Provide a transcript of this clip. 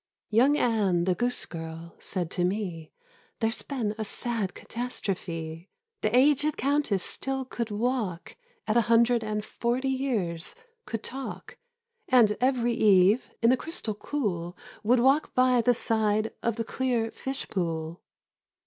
Young Anne, the goosegirl, said to me, " There's been a sad catastrophe ! The aged Countess still could walk At a hundred and forty years, could talk, And every eve in the crystal cool Would walk by the side of the clear llsh pool.